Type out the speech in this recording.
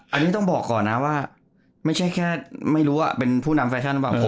อันนี้ต้องบอกก่อนนะว่าไม่ใช่แค่ไม่รู้ว่าเป็นผู้นำแฟชั่นหรือเปล่า